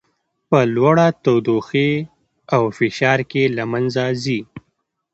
په لوړه تودوخې او فشار کې له منځه ځي.